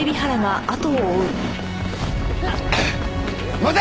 待て！